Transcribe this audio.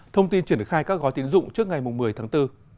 thông tin triển khai các gói tiến dụng trước ngày một mươi tháng bốn